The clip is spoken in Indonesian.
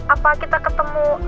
apa kita ketemu